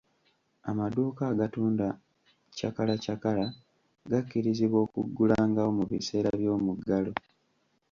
Amaduuka agatunda chakalachakala gakkirizibwa okuggulangawo mu biseera by'omuggalo.